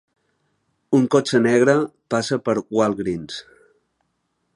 Un cotxe negre passa per Walgreens